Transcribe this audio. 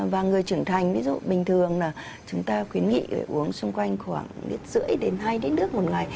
và người trưởng thành ví dụ bình thường là chúng ta khuyến nghị uống xung quanh khoảng rưỡi đến hai lít nước một ngày